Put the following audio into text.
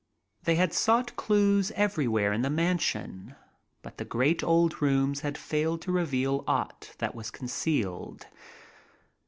They had sought clues everywhere in the mansion, but the great old rooms had failed to reveal aught that was concealed.